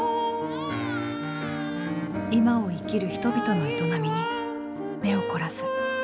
今を生きる人々の営みに目を凝らす。